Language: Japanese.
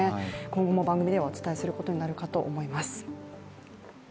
今後も番組ではお伝えすることになるかと思います。